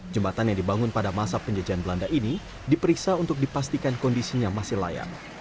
jembatan yang dibangun pada masa penjajahan belanda ini diperiksa untuk dipastikan kondisinya masih layak